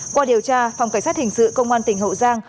qua điều tra phòng cảnh sát hình sự công an tỉnh hậu giang